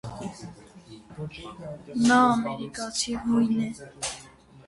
Նա ամերիկացի հույն է։